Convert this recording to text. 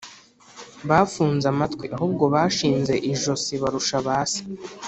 Bafunze amatwi ahubwo bashinze ijosi barusha ba se